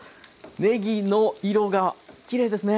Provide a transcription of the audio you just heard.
ねぎの色がきれいですね。